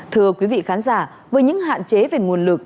thưa quý vị khán giả với những hạn chế về nguồn lực